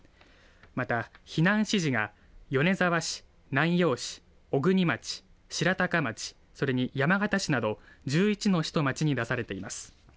また避難指示が米沢市、南陽市、小国町、白鷹町、それに山形市など１１の市と町に出されています。